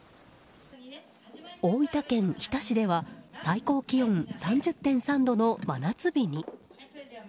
大分県日田市では最高気温３０．３度の真夏日に。